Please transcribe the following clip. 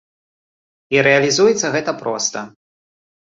І рэалізуецца гэта проста.